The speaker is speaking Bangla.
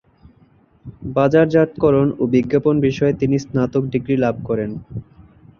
বাজারজাতকরণ ও বিজ্ঞাপন বিষয়ে তিনি স্নাতক ডিগ্রী লাভ করেন।